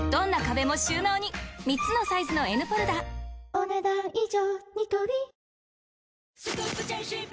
お、ねだん以上。